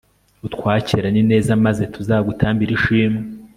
utwakirane ineza maze tuzagutambire ishimwe